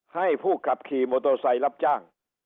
ให้ผู้ขับขี่มอเตอร์ไซค์รับจ้าง